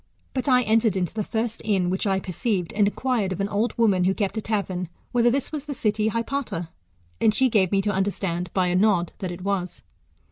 But I entered into the first inn which I perceived, and inquired of an old woman who kept a tavern, whether this was tlie city Hypata ; and she gave me to understand, by a nod, that it was.